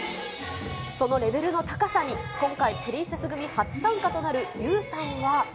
そのレベルの高さに、今回、プリンセス組初参加となるユーさんは。